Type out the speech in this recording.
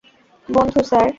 বন্ধু, স্যার।